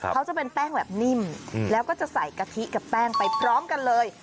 เขาจะเป็นแป้งแบบนิ่มแล้วก็จะใส่กะทิกับแป้งไปพร้อมกันเลย